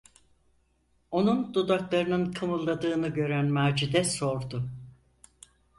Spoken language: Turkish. Onun dudaklarının kımıldadığını gören Macide sordu: